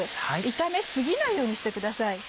炒め過ぎないようにしてください。